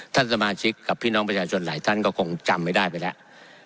ท่านสมาชิกกับพี่น้องประชาชนหลายท่านก็คงจำไม่ได้ไปแล้ว